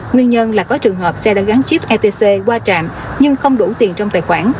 nguyên nhân là có trường hợp xe đã gắn chip etc qua trạm nhưng không đủ tiền trong tài khoản